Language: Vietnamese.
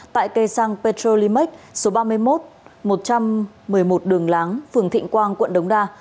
tại cây xăng petrolimax số ba mươi một một trăm một mươi một đường láng phường thịnh quang quận đống đa